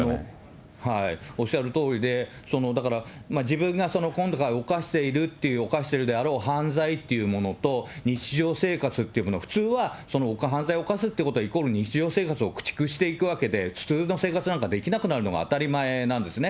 おっしゃるとおりで、自分が、犯しているっていう、犯しているであろう犯罪というものと、日常生活っていうもの、普通は、犯罪を犯すってことは、イコール日常生活を駆逐していくわけで、普通の生活なんかできなくなるのが当たり前なんですね。